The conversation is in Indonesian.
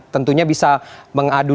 tentunya bisa mengadu